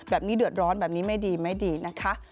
แบบนี้เดือดร้อนแบบนี้ไม่ดีไม่ดีนะคะ